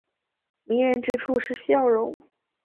迷人之处是笑容。